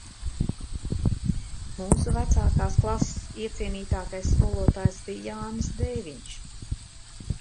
Mūsu vecākās klases iecienītākais skolotājs bija Jānis Delviņš.